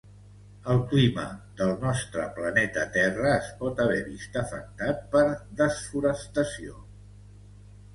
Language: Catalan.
El clima del nostre planeta Terra es pot haver vist afectat per desforestació